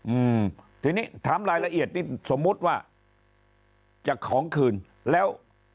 อืมทีนี้ถามรายละเอียดนี่สมมุติว่าจะของคืนแล้ว